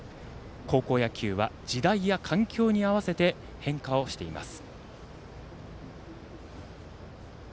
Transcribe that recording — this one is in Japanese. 高校野球は時代や環境に合わせて変化をしています。